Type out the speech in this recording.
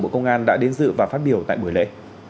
bộ công an đã đến dự và phát biểu tại buổi lễ